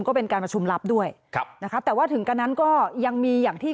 ก็เป็นการประชุมลับด้วยครับนะคะแต่ว่าถึงกันนั้นก็ยังมีอย่างที่